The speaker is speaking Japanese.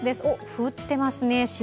降ってますね。